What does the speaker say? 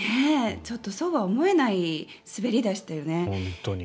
ちょっとそうは思えない滑りでしたよね。